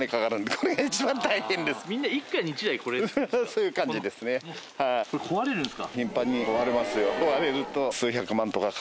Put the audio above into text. これ壊れるんですか？